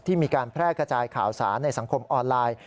มีการแพร่กระจายข่าวสารในสังคมออนไลน์